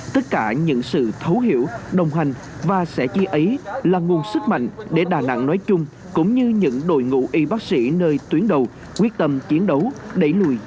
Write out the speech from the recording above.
tất cả những sự thấu hiểu đồng hành và sẻ chia ấy là nguồn sức mạnh để đà nẵng nói chung cũng như những đội ngũ y bác sĩ nơi tuyến đầu quyết tâm chiến đấu đẩy lùi